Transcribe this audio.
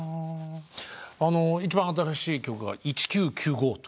あの一番新しい曲が「１９９５」と。